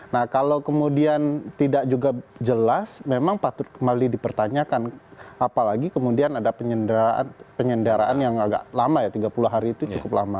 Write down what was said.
nah kalau kemudian tidak juga jelas memang patut kembali dipertanyakan apalagi kemudian ada penyandaraan yang agak lama ya tiga puluh hari itu cukup lama